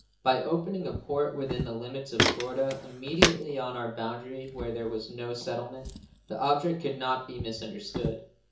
By opening a port within the limits of Florida, immediately on our boundary where there was no settlement, the object could not be misunderstood.